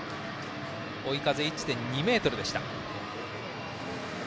追い風１．２メートルでした。